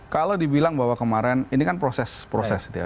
kalau dibilang bahwa kemarin ini kan proses proses gitu ya